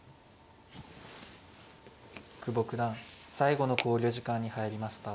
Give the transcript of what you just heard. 久保九段最後の考慮時間に入りました。